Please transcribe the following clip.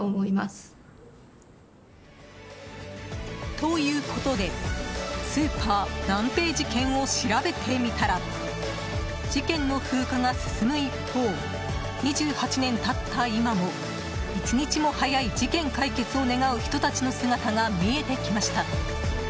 ということでスーパーナンペイ事件を調べてみたら事件の風化が進む一方２８年経った今も１日も早い事件解決を願う人たちの姿が見えてきました。